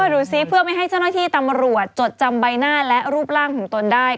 ดูซิเพื่อไม่ให้เจ้าหน้าที่ตำรวจจดจำใบหน้าและรูปร่างของตนได้